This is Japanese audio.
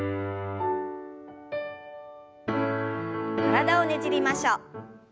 体をねじりましょう。